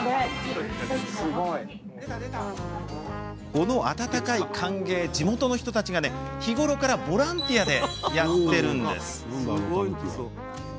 この温かい歓迎地元の人たちが日頃からボランティアでやっているんです。